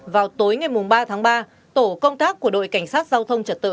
vào tối ngày ba tháng ba tổ công tác của đội cảnh sát giao thông trật tự